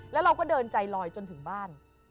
แล้วเราก็เดินใจลอยจนถึงบ้าน